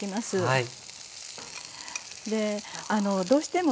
はい。